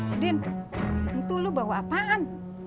udin itu lu bawa apaan